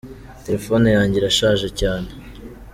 Telefone yanjye irashaje cyane.